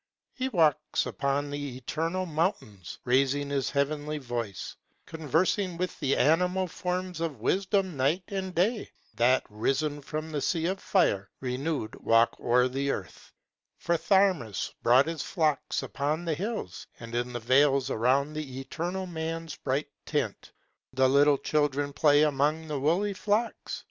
He walks upon the Eternal Mountains, raising his heavenly voice, Conversing with the animal forms of wisdom night and day, That, risen from the sea of fire, renew'd walk o'er the Earth; For Tharmas brought his flocks upon the hills, and in the vales Around the Eternal Man's bright tent, the little children play Among the woolly flocks.